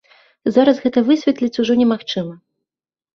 Зараз гэта высветліць ужо немагчыма.